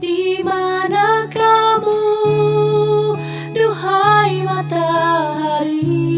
di mana kamu duhai matahari